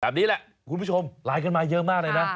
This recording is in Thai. แบบนี้แหละคุณผู้ชมไลน์กันมาเยอะมากเลยนะ